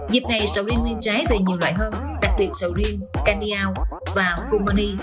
dịp này sầu riêng nguyên trái về nhiều loại hơn đặc biệt sầu riêng candiao và fulmani